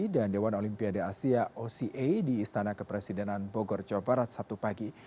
dan dewan olimpiade asia oca di istana kepresidenan bogor jawa barat sabtu pagi